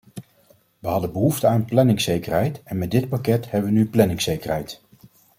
We hadden behoefte aan planningszekerheid en met dit pakket hebben we nu planningszekerheid.